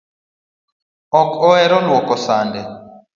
Ok ahero luoko sande